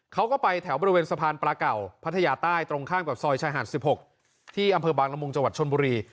เขาก็ไปแถวบริเวณสะพานปลาเก่าพัทยาใต้ตรงข้ามกับซอยชายหาด๑๖ที่อำเภอบางละมุงจังหวัดชนบุรี